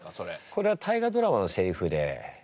これは大河ドラマのセリフで出てきてた。